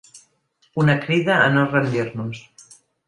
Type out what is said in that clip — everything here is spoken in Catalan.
Una crida a no rendir-nos.